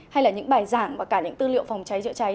hay là những bài giảng và cả những tư liệu phòng cháy chữa cháy